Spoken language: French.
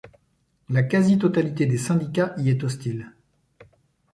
La quasi-totalité des syndicats y est hostile.